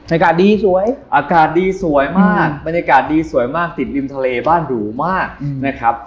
อากาศดีสวยอากาศดีสวยมากบรรยากาศดีสวยมากติดริมทะเลบ้านหรูมากนะครับ